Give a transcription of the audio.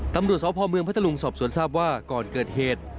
ตำรวจสพเมืองพัทธลุงสอบสวนทราบว่าก่อนเกิดเหตุ